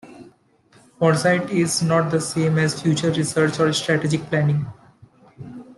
Foresight is not the same as futures research or strategic planning.